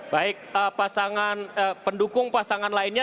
baik pendukung pasangan lainnya